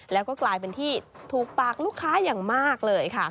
แล้วก็กลายเป็นที่ถูกปากลูกค้าอย่างมากเลยค่ะ